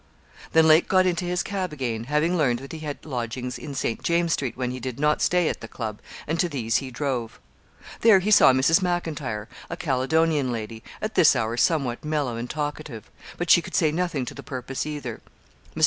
Then Lake got into his cab again, having learned that he had lodgings in St. James's Street when he did not stay at the club, and to these he drove. There he saw Mrs. M'Intyre, a Caledonian lady, at this hour somewhat mellow and talkative; but she could say nothing to the purpose either. Mr.